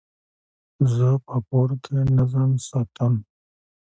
زه په کور کي نظم ساتم.